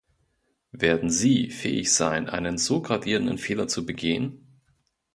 Werden Sie fähig sein, einen so gravierenden Fehler zu begehen?